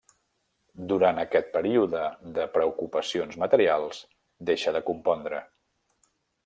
Durant aquest període de preocupacions materials, deixa de compondre.